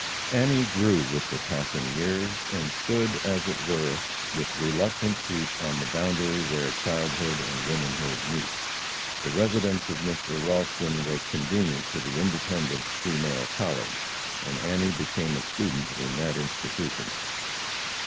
Annie grew with the passing years, and stood, as it were, "with reluctant feet on the boundary where childhood and womanhood meet." The residence of Mr. Ralston was convenient to the Independence Female College, and Annie became a student in that institution.